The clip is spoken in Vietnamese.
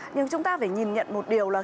nhưng chúng ta phải nhìn nhận một điều là